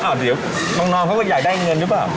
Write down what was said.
อ้าวเดี๋ยวต้องนอนเพราะว่าอยากได้เงินหรือเปล่า